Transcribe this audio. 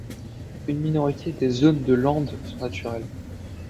Une minorité des zones de landes sont naturelles.